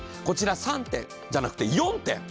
こちら３点じゃなくて４点。